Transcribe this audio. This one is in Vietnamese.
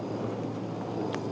tạm giữ phương tiện